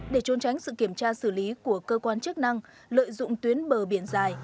để trôn tránh sự kiểm tra xử lý của cơ quan chức năng lợi dụng tuyến bờ biển dài